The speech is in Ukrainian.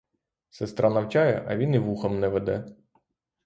Сестра навчає, а він і вухом не веде!